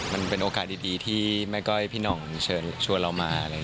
มันเป็นโอกาสดีที่แม่ก้อยพี่หน่องเชิญชวนเรามา